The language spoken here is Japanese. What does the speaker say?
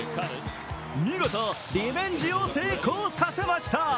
見事リベンジを成功させました。